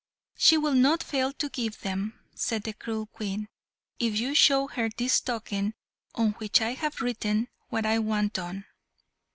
"She will not fail to give them," said the cruel Queen, "if you show her this token on which I have written what I want done."